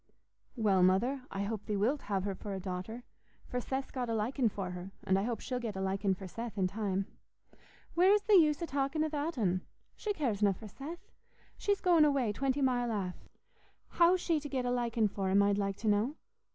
"Well, Mother, I hope thee wilt have her for a daughter; for Seth's got a liking for her, and I hope she'll get a liking for Seth in time." "Where's th' use o' talkin' a that'n? She caresna for Seth. She's goin' away twenty mile aff. How's she to get a likin' for him, I'd like to know?